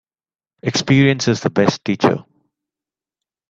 Experience is the best teacher.